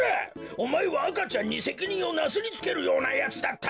おまえはあかちゃんにせきにんをなすりつけるようなやつだったのか！